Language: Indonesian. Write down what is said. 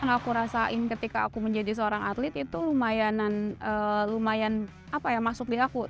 yang aku rasain ketika aku menjadi seorang atlet itu lumayan masuk di aku